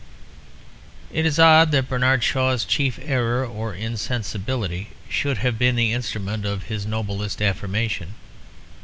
It is odd that Bernard Shaw's chief error or insensibility should have been the instrument of his noblest affirmation.